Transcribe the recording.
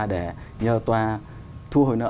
để nhờ tòa thu hồi nợ